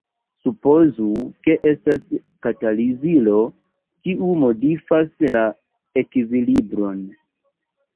Supozu ke estas katalizilo kiu modifas la ekvilibron.